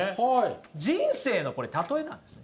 人生のこれたとえなんです。